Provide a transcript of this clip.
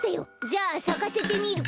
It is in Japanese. じゃあさかせてみる。